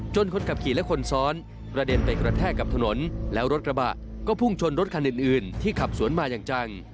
คนขับขี่และคนซ้อนกระเด็นไปกระแทกกับถนนแล้วรถกระบะก็พุ่งชนรถคันอื่นที่ขับสวนมาอย่างจัง